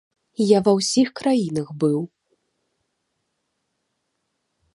Я ва ўсіх краінах быў.